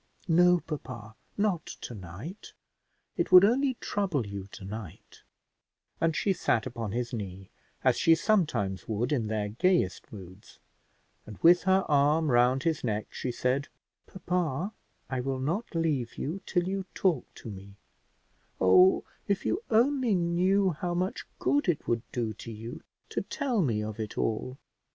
"No, papa, not tonight, it would only trouble you tonight;" and she sat upon his knee, as she sometimes would in their gayest moods, and with her arm round his neck, she said: "Papa, I will not leave you till you talk to me; oh, if you only knew how much good it would do to you, to tell me of it all."